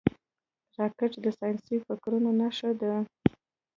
راکټ د ساینسي فکرونو نښه ده